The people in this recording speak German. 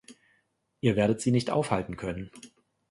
Ihr werdet sie nicht aufhalten können.